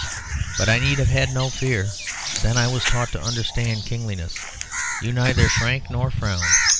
But I need have had no fear. Then was I taught to understand Kingliness. You neither shrank nor frowned.